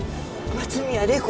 松宮玲子。